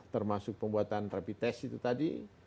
termasuk pembuatan terapi tes itu tadi